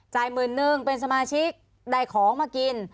จ่ายเงินหนึ่งเป็นสมาชิกได้ของมากิน